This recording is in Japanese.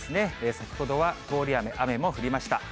先ほどは通り雨、雨も降りました。